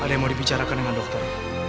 ada yang mau dibicarakan dengan dokter